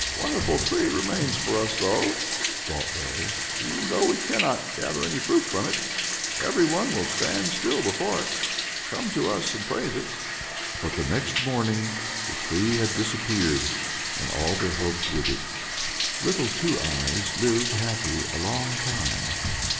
"The wonderful tree remains for us, though," thought they; "and even though we cannot gather any fruit off it, every one will stand still before it, come to us, and praise it." But the next morning the tree had disappeared, and all their hopes with it. Little Two Eyes lived happy a long time.